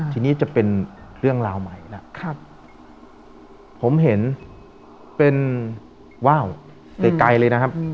ทีนี้จะเป็นเรื่องราวใหม่นะครับผมเห็นเป็นว่าวไกลเลยนะครับ